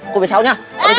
cô về sau nhá